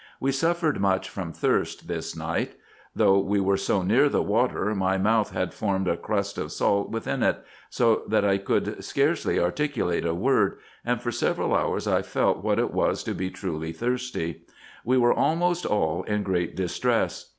We suffered much from thirst this night : though we were so near the water, my mouth had formed a crust of salt within it, so that I could scarcely articulate a word, and for several hours I felt what it was to be truly thirsty. We were almost all in great distress.